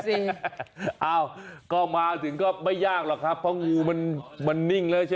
เอ้าก็มาก็ไม่ยากเหรอหรอกเพราะงูมันนิ่งเลยล่ะ